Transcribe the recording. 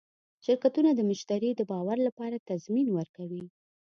شرکتونه د مشتری د باور لپاره تضمین ورکوي.